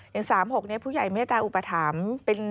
อย่าง๒๐๑๖๒๐๑๔ผู้ใหญ่ไม่ได้อุปถัมธ์